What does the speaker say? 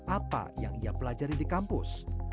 apa yang ia pelajari di kampus